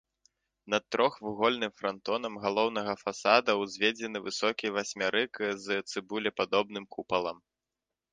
Над трохвугольным франтонам галоўнага фасада ўзведзены высокі васьмярык з цыбулепадобным купалам.